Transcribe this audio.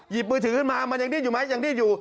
มือถือขึ้นมามันยังดิ้นอยู่ไหมยังดิ้นอยู่